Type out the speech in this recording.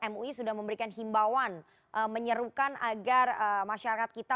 mui sudah memberikan himbauan menyerukan agar masyarakat kita